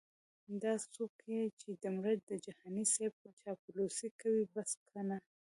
دا څوک یې چې دمره د جهانې صیب چاپلوسې کوي بس که نو